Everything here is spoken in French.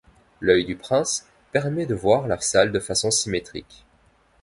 L'œil du prince permet de voir la salle de façon symétrique.